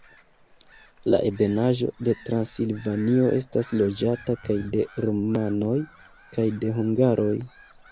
La Ebenaĵo de Transilvanio estas loĝata kaj de rumanoj kaj de hungaroj.